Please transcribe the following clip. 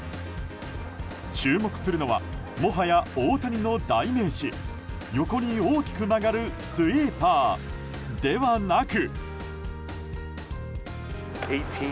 注目するのはもはや大谷の代名詞横に大きく曲がるスイーパーではなく。